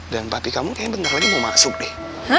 dan papi kamu kayaknya bentar lagi mau masuk deh